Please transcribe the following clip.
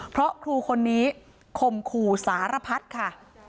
เพราะครูคนนี้ข่มขู่สารพัฒน์ค่ะ